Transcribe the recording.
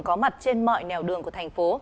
có mặt trên mọi nèo đường của thành phố